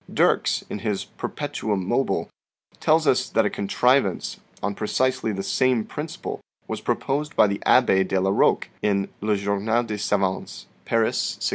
Dircks, in his " Perpetuum Mobile," tells us that a contrivance, on precisely the same principle, was proposed by the Abb6 de la Roque, in "Le Journal des S^avans," Paris, 1686.